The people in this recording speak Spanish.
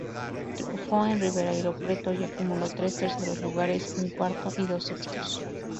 Triunfó en Ribeirão Preto y acumuló tres terceros lugares, un cuarto y dos sextos.